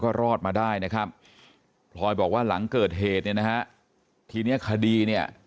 ก็รอดมาได้นะครับพลอยบอกว่าหลังเกิดเหตุเนี่ยนะฮะทีเนี้ยคดีเนี่ย